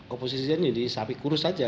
oposisinya jadi sapi kurus saja